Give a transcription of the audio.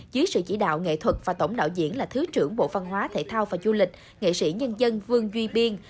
dưới sự chỉ đạo nghệ thuật và tổng đạo diễn là thứ trưởng bộ văn hóa thể thao và du lịch nghệ sĩ nhân dân vương duy biên